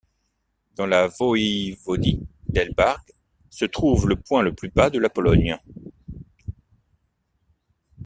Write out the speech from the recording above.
Dans la voïvodie d'Elbląg se trouve le point le plus bas de la Pologne.